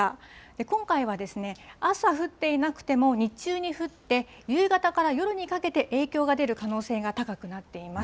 今回は、朝降っていなくても日中に降って、夕方から夜にかけて、影響が出る可能性が高くなっています。